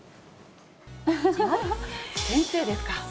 先生ですか。